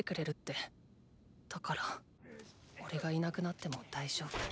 だから俺がいなくなっても大丈夫。